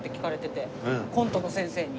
コントの先生に。